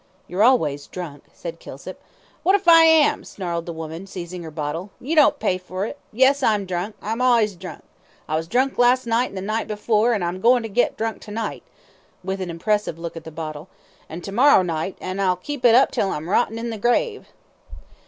"You're always drunk," said Kilsip. "What if I am?" snarled the woman, seizing her bottle. "You don't pay fur it. Yes, I'm drunk. I'm allays drunk. I was drunk last night, an' the night before, an' I'm a goin' to git drunk to night" with an impressive look at the bottle "an' to morrow night, an' I'll keep it up till I'm rottin' in the grave."